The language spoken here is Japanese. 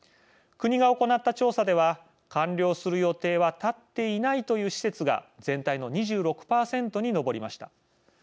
国が行った調査では完了する予定は立っていないという施設が全体の２６％に上りました。